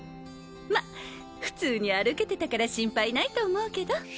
ま普通に歩けてたから心配ないと思うけど。